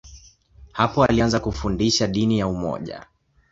Hapo alianza kufundisha dini ya umoja.